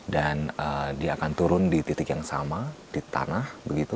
dan dia akan turun di titik yang sama di tanah